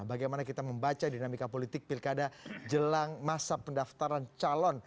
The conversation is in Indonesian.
bagaimana kita membaca dinamika politik pilkada jelang masa pendaftaran calon